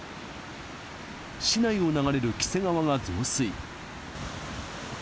市内を流れる黄瀬川が増水。